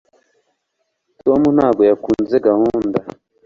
tom ntabwo yakunze gahunda